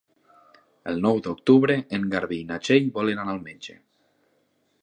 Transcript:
El nou d'octubre en Garbí i na Txell volen anar al metge.